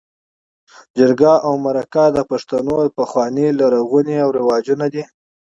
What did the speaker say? جرګه او مرکه د پښتنو پخواني او لرغوني رواجونه دي.